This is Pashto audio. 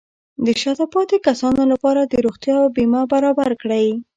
د شاته پاتې کسانو لپاره د روغتیا بیمه برابر کړئ.